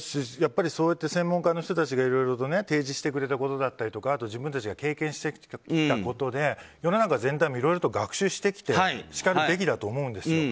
専門家の人たちが、いろいろ提示してくれたことだったりあと自分たちが経験してきたことで世の中全体もいろいろと学習してきてしかるべきだと思うんです。